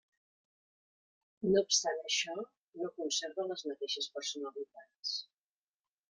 No obstant això, no conserven les mateixes personalitats.